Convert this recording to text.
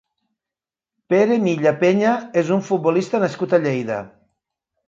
Pere Milla Peña és un futbolista nascut a Lleida.